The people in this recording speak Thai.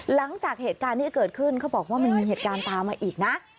หลังจากเหตุการณ์ที่เกิดขึ้นเขาบอกว่ามันมีเหตุการณ์ตามมาอีกนะ